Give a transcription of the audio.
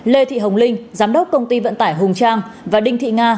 lê thị hồng linh giám đốc công ty vận tải hùng trang và đinh thị nga